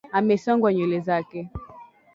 Amesongwa nywele zake